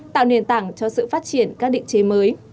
tạo nền tảng cho sự phát triển các định chế mới